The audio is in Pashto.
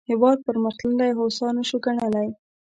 هېواد پرمختللی او هوسا نه شو ګڼلای.